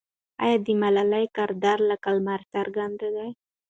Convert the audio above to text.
آیا د ملالۍ کردار لکه لمر څرګند دی؟